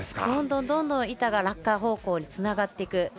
どんどん、板が落下方向につながっていく。